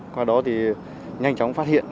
qua đó thì nhanh chóng phát hiện